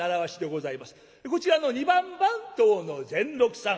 こちらの二番番頭の善六さん。